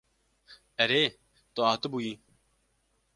Erê tu hatibûyî.